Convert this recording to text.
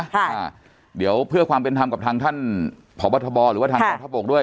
หาเดี๋ยวเพื่อความเป็นธรรมกับท่านพบหรือว่าท่านกราศบกด้วย